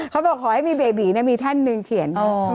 ขอให้มีเบบีมีท่านหนึ่งเขียน